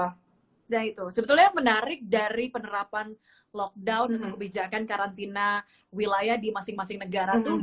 nah itu sebetulnya menarik dari penerapan lockdown atau kebijakan karantina wilayah di masing masing negara itu